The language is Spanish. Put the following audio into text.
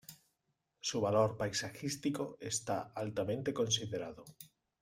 Su valor paisajístico está altamente considerado.